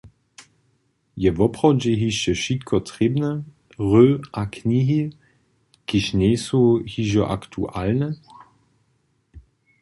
Je woprawdźe hišće wšitko trěbne – hry a knihi, kiž njejsu hižo aktualne?